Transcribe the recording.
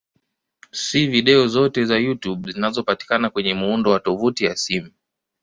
Si video zote za YouTube zinazopatikana kwenye muundo wa tovuti ya simu.